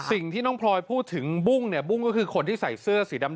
สิ่งที่น้องพลอยพูดถึงบุ้งเนี่ยบุ้งก็คือคนที่ใส่เสื้อสีดำ